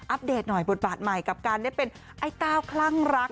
เดตหน่อยบทบาทใหม่กับการได้เป็นไอ้เต้าคลั่งรัก